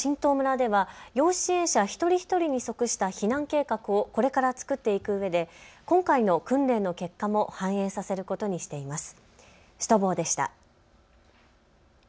この榛東村では要支援者一人一人に即した避難計画をこれから作っていくうえで今回の訓練の結果も反映させることにしています。